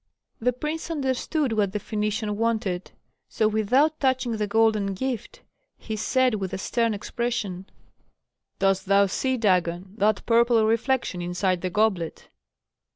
The prince understood what the Phœnician wanted; so, without touching the golden gift, he said with a stern expression, "Dost thou see, Dagon, that purple reflection inside the goblet?"